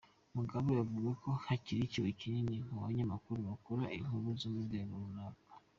Mugabe avuga ko hakiri icyuho kinini mu banyamakuru bakora inkuru zo murwego runaka.